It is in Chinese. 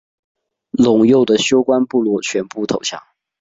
陇右的休官部落全部投降。